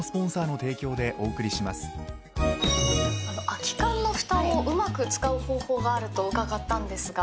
空き缶のふたをうまく使う方法があると伺ったんですが。